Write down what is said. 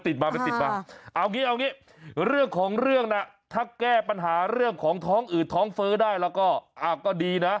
แต่มันมันมันยุบมาในหัวไง